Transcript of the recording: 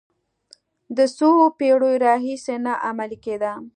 د څو پېړیو راهیسې نه عملي کېده.